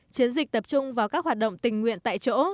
chiến dịch tập trung vào các hoạt động tình nguyện tại chỗ